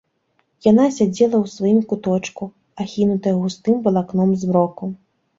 Яна сядзела ў сваім куточку, ахінутая густым валакном змроку.